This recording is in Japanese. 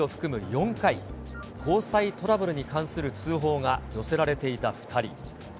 ４回、交際トラブルに関する通報が寄せられていた２人。